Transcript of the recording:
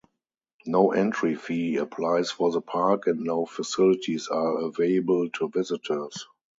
No entry fee applies for the park and no facilities are available to visitors.